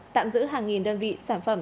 tạm giữ hàng nghìn đơn vị sản phẩm